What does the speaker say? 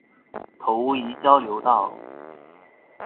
頭屋一交流道